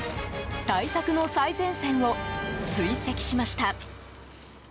対策の最前線を追跡しました。